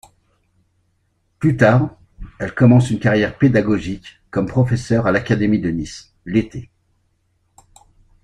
Plus tard, elle commence une carrière pédagogique comme professeur à l'Académie de Nice, l'été.